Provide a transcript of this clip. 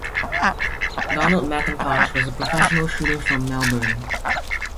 Donald Mackintosh was a professional shooter from Melbourne.